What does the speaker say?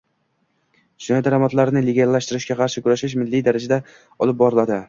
Jinoiy daromadlarni legallashtirishga qarshi kurashish milliy darajada olib boriladi